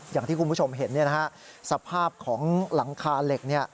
อย่างที่คุณผู้ชมเห็นสภาพของหลังคาเหล็ก